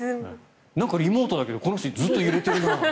なんかリモートだけどこの人ずっと揺れてるなって。